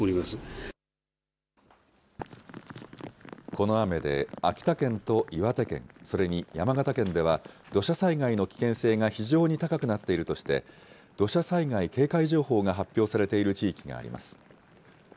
この雨で秋田県と岩手県、それに山形県では、土砂災害の危険性が非常に高くなっているとして、土砂災害警戒情報が発表されている地域があります。